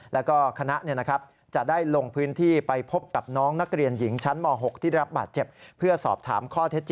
และก็คณะจะได้ลงพื้นที่ไปพบกับน้องนักเรียนหญิงชั้นหม่อ๖